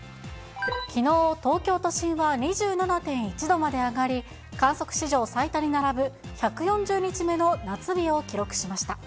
きのう、東京都心は２７．１度まで上がり、観測史上最多に並ぶ１４０日目の夏日を記録しました。